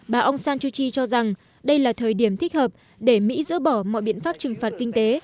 bà aung san suu kyi cho rằng đây là thời điểm thích hợp để mỹ dỡ bỏ mọi biện pháp trừng phạt kinh tế